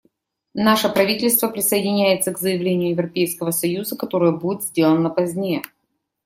Наше правительство присоединяется к заявлению Европейского союза, которое будет сделано позднее.